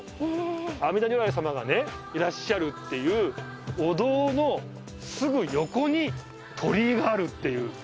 阿弥陀如来様がねいらっしゃるっていうお堂のすぐ横に鳥居があるっていう。